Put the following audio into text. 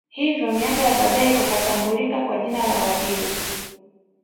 Hivyo miaka ya baadae kukatambulika kwa jina la Wadigo